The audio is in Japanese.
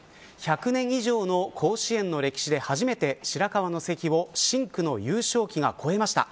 １００年以上の甲子園の歴史で初めて白河の関を深紅の大優勝旗が越えました。